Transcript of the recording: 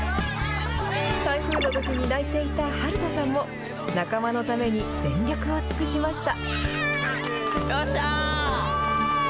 台風のときに泣いていた遥太さんも仲間のために全力を尽くしました。